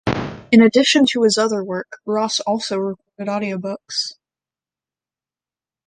In addition to his other work Ross also recorded audio books.